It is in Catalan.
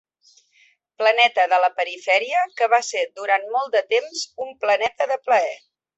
Planeta de la Perifèria que va ser durant molt temps un planeta de plaer.